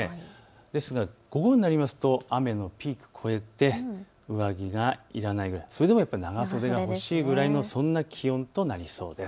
ですが午後になりますと雨のピークをこえて、上着がいらない、それでもやっぱり長袖が欲しいくらいのそんな気温となりそうです。